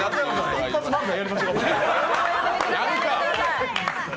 一発、漫才やりましょう。